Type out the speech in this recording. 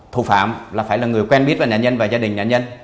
tù phạm là phải là người quen biết là nạn nhân và gia đình nạn nhân